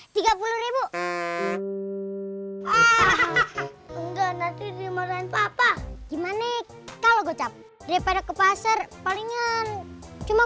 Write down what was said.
hahaha enggak nanti dimasakin papa gimana kalau gocap daripada ke pasar palingan cuma